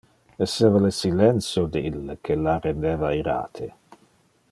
Esseva le silentio de ille que la rendeva irate.